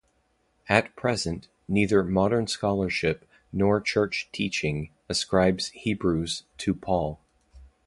At present, neither modern scholarship nor church teaching ascribes Hebrews to Paul.